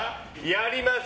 やります。